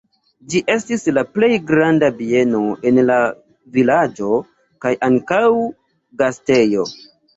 Ĝi estis la plej granda bieno en la vilaĝo kaj ankaŭ gastejo.